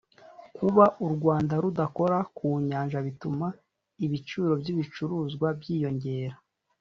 Kuba u Rwanda rudakora ku Nyanja bituma ibiciro by’ibicuruzwa byiyongera